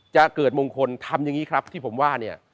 จะเกิดมงคลทำอย่างนี้ครับที่ผมว่าเนี่ย